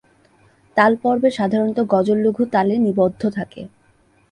তাল পর্বে সাধারণত গজল লঘু তালে নিবদ্ধ থাকে।